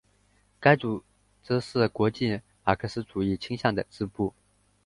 该组织是国际马克思主义倾向的支部。